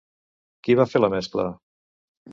Qui va fer la mescla?